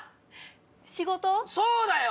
そうだよ。